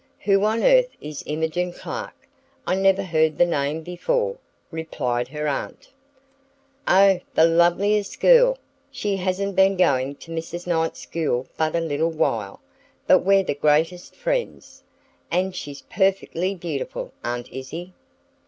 "Who on earth is Imogen Clark? I never heard the name before," replied her aunt. "Oh, the loveliest girl! She hasn't been going to Mrs. Knight's school but a little while, but we're the greatest friends. And she's perfectly beautiful, Aunt Izzie.